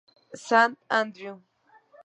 E. Sant Andreu.